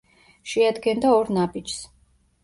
შეადგენდა ორ ნაბიჯს.